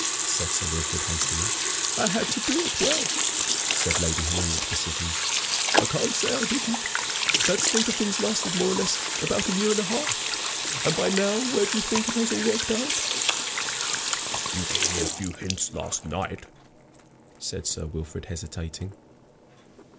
said Sir Wilfrid, hastily. "I had to do it well," said Lady Henry, with decision; "I can't say I didn't. That state of things lasted, more or less, about a year and a half. And by now, where do you think it has all worked out?" "You gave me a few hints last night," said Sir Wilfrid, hesitating.